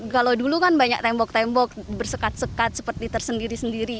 kalau dulu kan banyak tembok tembok bersekat sekat seperti tersendiri sendiri